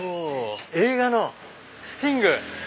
映画の『スティング』！